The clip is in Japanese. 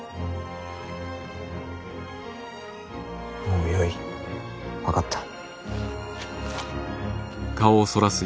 もうよい分かった。